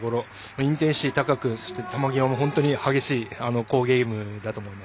インテンシティー高く球際も激しい好ゲームだと思います。